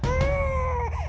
aku mau ke rumah